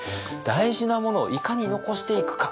大事なものをいかに残していくか。